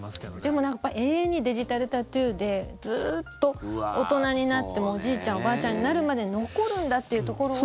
でも永遠にデジタルタトゥーでずっと大人になってもおじいちゃん、おばあちゃんになるまで残るんだっていうところを。